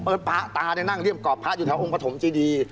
เมื่อพระตาเนี่ยนั่งเลี่ยมกรอบพระไปอยู่แถวองพฤมธ์ชีดี